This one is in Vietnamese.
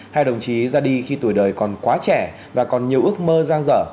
hai đồng chí ra đi khi tuổi đời còn quá trẻ và còn nhiều ước mơ gian dở